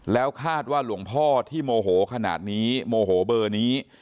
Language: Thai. แล้วคาดว่าหลวงพ่อที่โมโหขนาดนี้โมโหเบอร์นี้